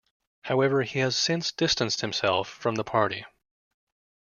However, he has since distanced himself from the party.